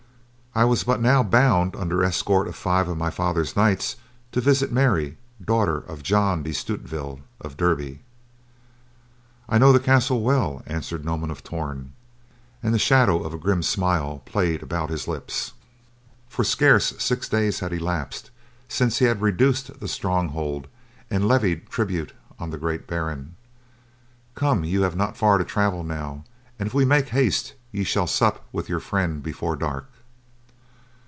"I was but now bound, under escort of five of my father's knights, to visit Mary, daughter of John de Stutevill of Derby." "I know the castle well," answered Norman of Torn, and the shadow of a grim smile played about his lips, for scarce sixty days had elapsed since he had reduced the stronghold, and levied tribute on the great baron. "Come, you have not far to travel now, and if we make haste you shall sup with your friend before dark."